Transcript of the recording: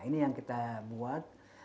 ini yang kita buat